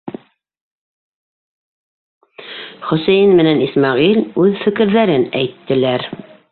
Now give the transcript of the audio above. Хөсәйен менән Исмәғил үҙ фекерҙәрен әйттеләр: